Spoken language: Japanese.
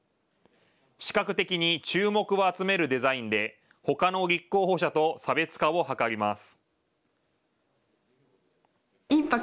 視覚的に注目を集めるデザインでほかの立候補者と差別化を図ります。